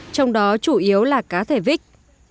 trong đó chủ yếu là cá thể vích